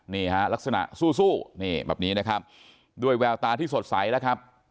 นี่ฮะลักษณะสู้นี่แบบนี้นะครับด้วยแววตาที่สดใสแล้วครับ